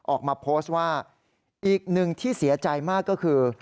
ออกมาโพสต์ว่าอีกหนึ่งที่เสียใจมากก็คือ